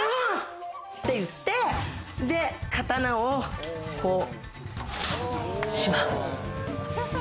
くせ者って言って、刀をこうしまう。